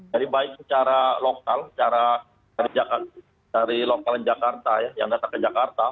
jadi baik secara lokal secara dari lokal jakarta yang datang ke jakarta